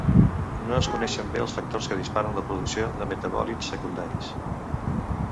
No es coneixen bé els factors que disparen la producció de metabòlits secundaris.